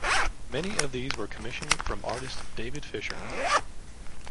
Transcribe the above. Many of these were commissioned from artist David Fisher.